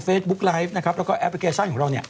ไลฟ์นะครับแล้วก็แอปพลิเคชันของเราเนี่ย